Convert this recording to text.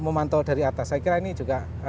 memantau dari atas saya kira ini juga